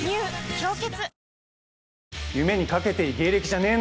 「氷結」